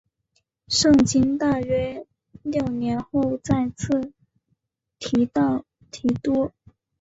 圣经在大约六年后再次提到提多。